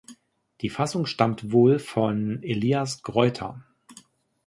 Die Fassung stammt wohl von Elias Greuter.